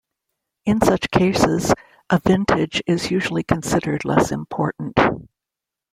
In such cases, a vintage is usually considered less important.